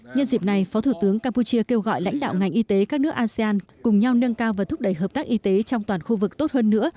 nhân dịp này phó thủ tướng campuchia kêu gọi lãnh đạo ngành y tế các nước asean cùng nhau nâng cao và thúc đẩy hợp tác y tế trong toàn khu vực tốt hơn nữa